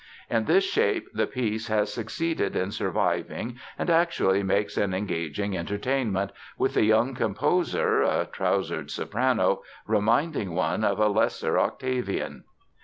In this shape the piece has succeeded in surviving and actually makes an engaging entertainment, with the young composer (a trousered soprano) reminding one of a lesser Octavian.